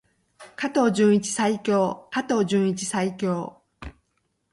加藤純一最強！加藤純一最強！